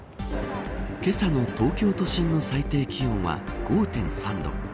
けさの東京都心の最低気温は５．３度。